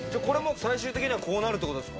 最終的には、これもこうなるってことですか？